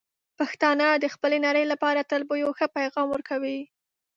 پښتانه د خپلې نړۍ لپاره تل به یو ښه پېغام ورکوي.